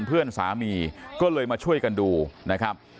เพื่อนสามีก็เลยมาช่วยกันดูนะครับ